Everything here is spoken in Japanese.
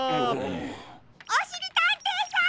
おしりたんていさん！